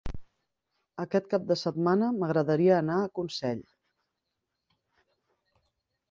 Aquest cap de setmana m'agradaria anar a Consell.